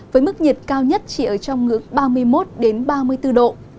với mức nhiệt cao nhất chỉ ở trong ngưỡng ba mươi một ba mươi bốn độ